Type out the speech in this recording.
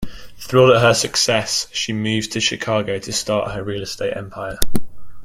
Thrilled at her success, she moves to Chicago to start her real estate empire.